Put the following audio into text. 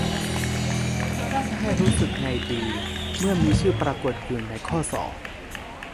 ให้รู้สึกไงดี เมื่อมีชื่อปรากฎอยู่ในข้อสอบ